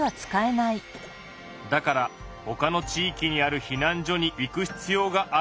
だからほかの地域にある避難所に行く必要があるみたいだな。